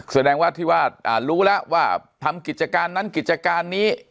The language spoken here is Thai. แสดงว่าที่ว่ารู้แล้วว่าทำกิจการนั้นกิจการนี้